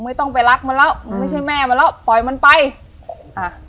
ไม่ต้องไปรักมันแล้วไม่ใช่แม่มันแล้วปล่อยมันไปอ่ะ